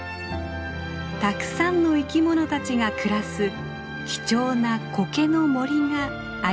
たくさんの生き物たちが暮らす貴重なコケの森がありました。